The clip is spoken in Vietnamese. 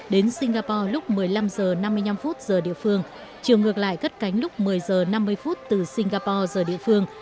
đến singapore lúc một mươi năm h năm mươi năm giờ địa phương chiều ngược lại cất cánh lúc một mươi h năm mươi từ singapore giờ địa phương